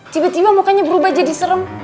tiba tiba mukanya berubah jadi serem